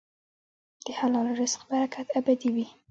د حلال رزق برکت ابدي وي.